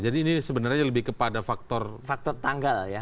jadi ini sebenarnya lebih kepada faktor tanggal ya